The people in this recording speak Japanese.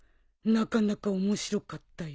なかなか面白かったよ。